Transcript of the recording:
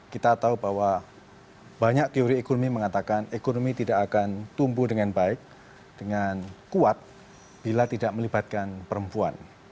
kita tahu bahwa banyak teori ekonomi mengatakan ekonomi tidak akan tumbuh dengan baik dengan kuat bila tidak melibatkan perempuan